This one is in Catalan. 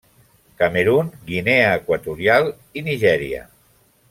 Camerun, Guinea Equatorial i Nigèria.